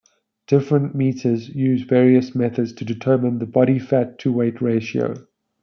Different meters use various methods to determine the body fat to weight ratio.